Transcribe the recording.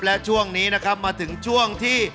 และช่วงนี้มาถึงช่วงที่